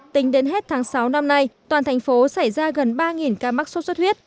tính đến hết tháng sáu năm nay toàn thành phố xảy ra gần ba ca mắc sốt xuất huyết